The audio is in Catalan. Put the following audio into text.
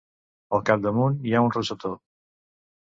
Al capdamunt hi ha un rosetó.